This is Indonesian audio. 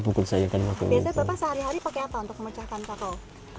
biasanya bapak sehari hari pakai apa untuk memecahkan kakao